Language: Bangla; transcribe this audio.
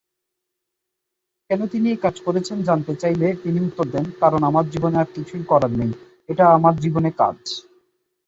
কেন তিনি এই কাজ করছেন জানতে চাইলে তিনি উত্তর দেন, "কারণ আমার আর কিছুই করার নেই; এটা আমার জীবনে কাজ।"